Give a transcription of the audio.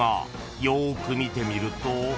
［よーく見てみると］